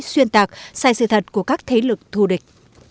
xuyên tạc sai sự thật của các thế lực thù địch